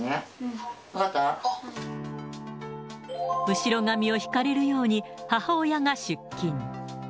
後ろ髪を引かれるように、母親が出勤。